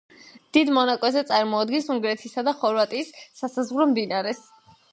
დიდ მონაკვეთზე წარმოადგენს უნგრეთისა და ხორვატიის სასაზღვრო მდინარეს.